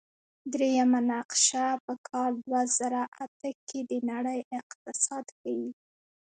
دریمه نقشه په کال دوه زره اته کې د نړۍ اقتصاد ښيي.